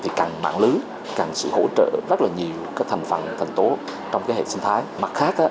thì càng mạng lứ càng sự hỗ trợ rất là nhiều cái thành phần thành tố trong cái hệ sinh thái mặt khác